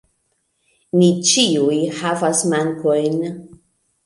Ni ĉiuj havas mankojn.